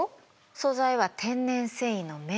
素材は天然繊維の綿なの。